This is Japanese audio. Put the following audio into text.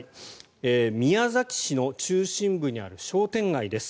宮崎市の中心部にある商店街です。